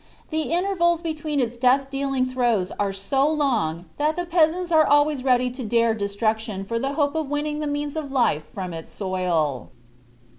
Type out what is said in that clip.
The intervals between its death dealing throes are so long that the peasants are always ready to dare destruction for the hope of winning the means of life from its soil.